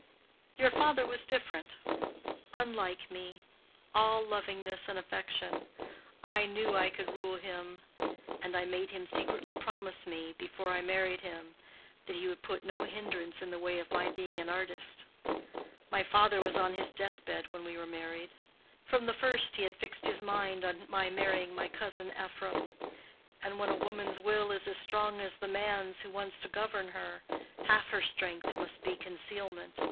"Your father was different. Unlike me—all lovingness and affection. I knew I could rule him; and I made him secretly promise me, before I married him, that he would put no hindrance in the way of my being an artist. My father was on his deathbed when we were married: from the first he had fixed his mind on my marrying my cousin Ephraim. And when a woman's will is as strong as the man's who wants to govern her, half her strength must be concealment.